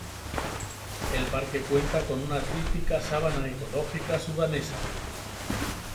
El parque cuenta con una típica sabana ecológica sudanesa.